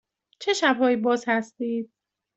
چه شب هایی باز هستید؟